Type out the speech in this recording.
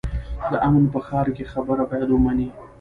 د امن په ښار کې خبره باید ومنې.